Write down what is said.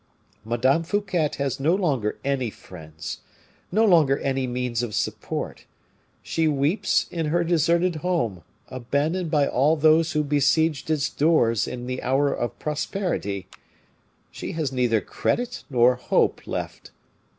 Madame Fouquet has no longer any friends, no longer any means of support; she weeps in her deserted home, abandoned by all those who besieged its doors in the hour of prosperity; she has neither credit nor hope left.